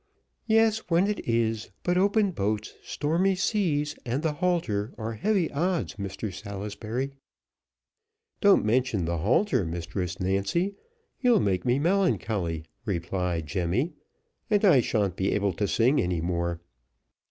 "Yes, when it is; but open boats, stormy seas, and the halter, are heavy odds, Mr Salisbury." "Don't mention the halter, Mistress Nancy, you'll make me melancholy," replied Jemmy, "and I sha'n't be able to sing any more.